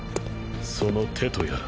その手とやら。